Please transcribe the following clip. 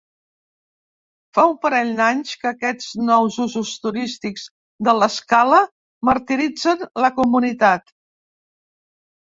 Fa un parell d'anys que aquests nous usos turístics de l'escala martiritzen la comunitat.